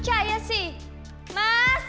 sama nih ian juga